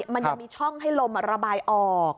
มันยังมีช่องให้ลมระบายออก